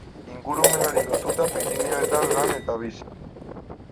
Ingurumenari lotuta Pirinioetan lan eta bizi.